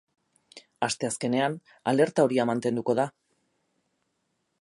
Asteazkenean alerta horia mantenduko da.